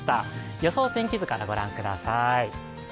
予想天気図からご覧ください。